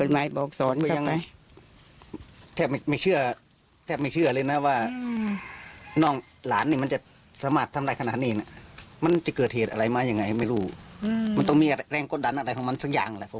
มันต้องมีการกดดันอะไรสักอย่างเลย